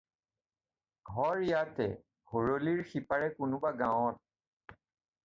ঘৰ ইয়াতে, ভৰলীৰ সিপাৰে কোনোবা গাঁৱত।